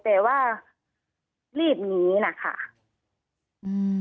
แต่ว่ารีบหนีนะคะอืม